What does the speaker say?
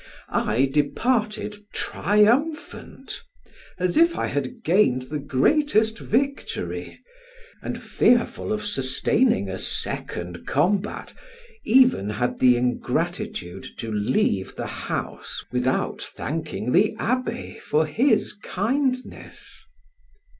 I departed triumphant, as if I had gained the greatest victory, and fearful of sustaining a second combat even had the ingratitude to leave the house without thanking the abbe for his kindness.